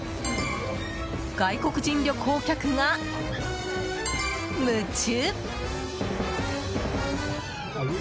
外国人旅行客が夢中！